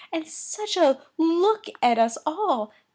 and such a look at us all!